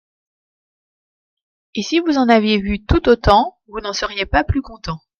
Et si vous en aviez vu tout autant vous n’en seriez pas plus content.